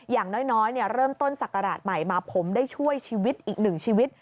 อย่างน้อยเริ่มต้นศักราชใหม่มาผมได้ช่วยชีวิตอีกหนึ่งชีวิต